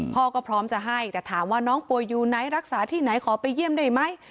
พ่อก็พร้อมจะให้แต่ถามว่าน้องป่วยอยู่ไหนรักษาที่ไหนขอไปเยี่ยมได้ไหม